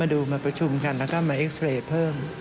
ดูมาประชุมกันแล้วก็มาเอ็กซ์เรย์เพิ่ม